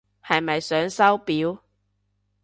係咪想收錶？